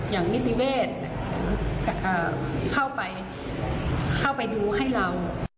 อย่างนิติเวทย์เข้าไปดูให้เรา